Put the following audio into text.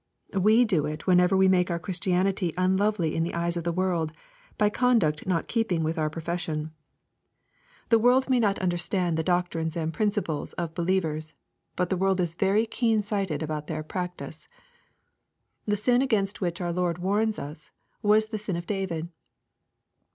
We do it whenever we make our Christianity unlovely in the eyes of the world, by conduct not in keeping with our profession. The world may not LUKE, CHAP. IVII. 221 nnderstand the doctrines and principles of believers But the world is very keen sighted about their practice. The sin against which our Lord warns us was the sin of David.